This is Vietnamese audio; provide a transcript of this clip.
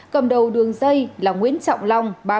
cầm đầu đường dây là nguyễn trọng long